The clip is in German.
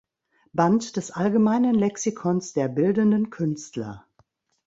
Band des "Allgemeinen Lexikons der Bildenden Künstler".